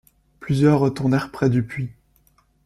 Plusieurs retournèrent près du puits.